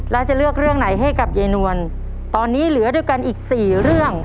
แล้วจะเลือกเรื่องไหนให้กับยายนวลตอนนี้เหลือด้วยกันอีกสี่เรื่อง